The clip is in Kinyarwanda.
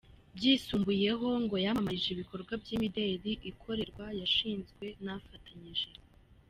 Byisumbuyeho ngo yamamarije ibikorwa by’imideli. Ikorerwa Yashinzwe na afatanyije.